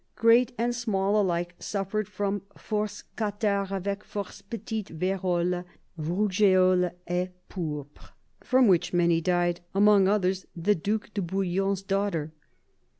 Great and small alike suffered from " force cathairres, avec force petites v^roles, rougeoles, et pourpre:" from which many died, among others the Due de Bouillon's daughter.